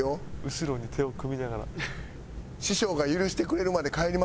後ろに手を組みながら。